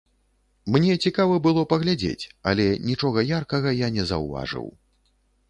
Мне цікава было паглядзець, але нічога яркага я не заўважыў.